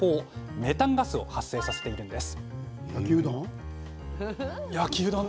メタンガスを発生させているんです。